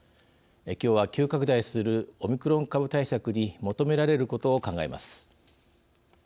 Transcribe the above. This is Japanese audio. きょうは急拡大するオミクロン株対策に求められることを考えます。